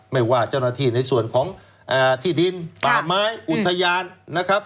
ไม่ว่าเจ้าหน้าที่ในส่วนของที่ดินป่าไม้อุทยานนะครับ